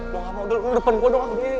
lu depan gua doang